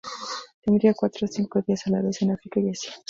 Tendría cuatro o cinco días a la vez en África y Asia.